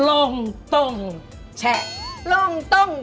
ลงต้มแชง